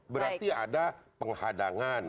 berarti ada penghadangan